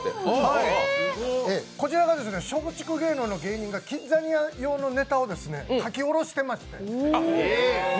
こちら、松竹芸能の芸人がキッザニア用のネタを書き下ろしてまして。